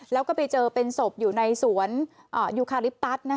แล้วก็ไปเจอเป็นศพอยู่ในสวนยูคาลิปตัส